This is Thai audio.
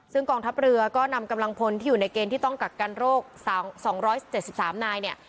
ซึ่งกองทัพเรือก็นำกำลังพลที่อยู่ในเกณฑ์ที่ต้องกักกันโรค๒๗๓นายเนี่ย